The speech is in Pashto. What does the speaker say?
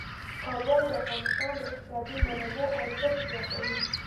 کابل د افغانستان د اقتصادي منابعو ارزښت زیاتوي.